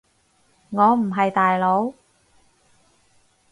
我唔係大佬